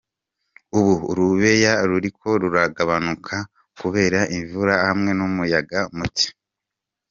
Ubu urubeya ruriko ruragabanuka kubera imvura hamwe n'umuyaga muke.